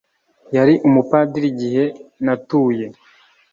yari umupadiri igihe natuye.